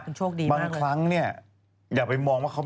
พี่ชอบแซงไหลทางอะเนาะ